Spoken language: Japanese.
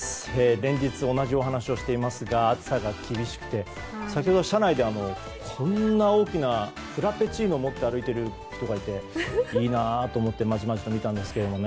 連日、同じ話をしていますが暑さが厳しくて先ほど社内で、こんなに大きなフラペチーノを持って歩いている人がいていいなと思ってまじまじと見てたんですけどね。